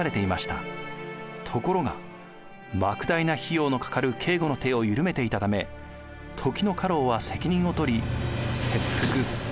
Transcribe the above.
ところがばく大な費用のかかる警護の手をゆるめていたため時の家老は責任をとり切腹。